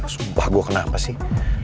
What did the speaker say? sumpah gue kenapa sih